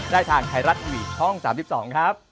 ได้ทางไทยรัฐทีวีช่อง๓๒ครับ